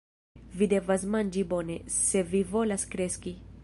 Vi devas manĝi bone, se vi volas kreski.